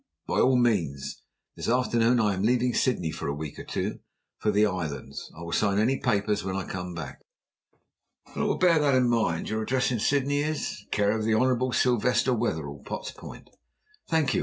"By all means. This afternoon I am leaving Sydney, for a week or two, for the Islands. I will sign any papers when I come back." "I will bear that in mind. And your address in Sydney is " "Care of the Honourable Sylvester Wetherell, Potts Point." "Thank you.